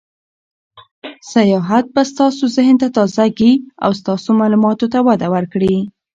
سیاحت به ستاسو ذهن ته تازه ګي او ستاسو معلوماتو ته وده ورکړي.